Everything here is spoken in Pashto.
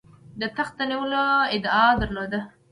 د تخت د نیولو ادعا درلوده.